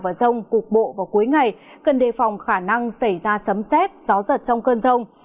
và rông cục bộ vào cuối ngày cần đề phòng khả năng xảy ra sấm xét gió giật trong cơn rông